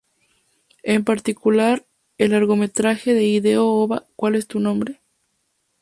En particular, el largometraje de Hideo Oba "¿Cuál es tu nombre?